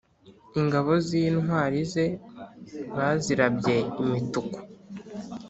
Ingabo z’intwari ze bazirabye imituku